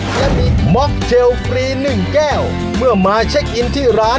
และมีม็อกเชลฟรีหนึ่งแก้วเมื่อมาเช็คอินที่ร้าน